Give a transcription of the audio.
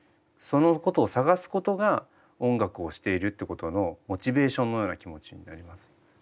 そのことを探すことが音楽をしているってことのモチベーションのような気持ちになります。